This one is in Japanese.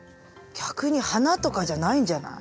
逆に花とかじゃないんじゃない？